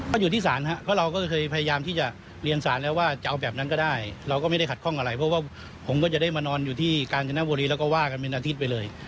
ก็อยู่ที่ศาลครับเพราะเราก็เคยพยายามที่จะเรียนศาลแล้วว่าจะเอาแบบนั้นก็ได้เราก็ไม่ได้ขัดข้องอะไรเพราะว่าผมก็จะได้มานอนอยู่ที่กาญจนบุรีแล้วก็ว่ากันเป็นอาทิตย์ไปเลย